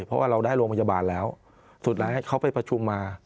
เพราะว่าเราได้โรงพยาบาลแล้วสุดท้ายเขาไปประชุมมา